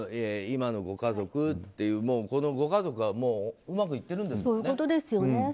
今のご家族という、このご家族がうまくいっているんですよね。